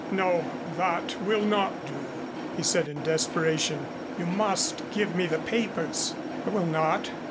"No, that will not do," he said in desperation. "You must give me the papers." "I will not.